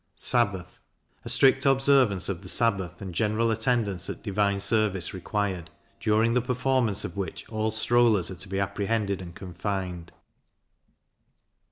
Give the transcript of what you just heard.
Sabbath. A strict observance of the sabbath, and general attendance at divine service required; during the performance of which all strollers are to be apprehended and confined.